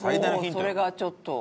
そうそれがちょっと。